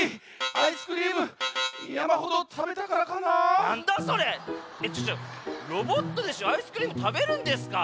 アイスクリームたべるんですか？